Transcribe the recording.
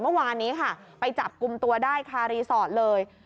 เมื่อวานนี้ค่ะไปจับกลุ่มตัวได้คารีสอร์ทเลย